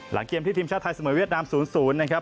เกมที่ทีมชาติไทยเสมอเวียดนาม๐๐นะครับ